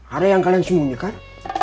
ada yang kalian sembunyikan